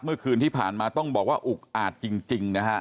เมื่อคืนที่ผ่านมาต้องบอกว่าอุกอาจจริงนะฮะ